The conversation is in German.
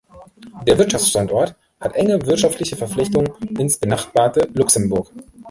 Der Wirtschaftsstandort hat enge wirtschaftliche Verflechtungen ins benachbarte Luxemburg.